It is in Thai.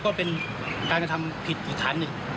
ก็เป็นการกระทำผิดอีกฐานหนึ่ง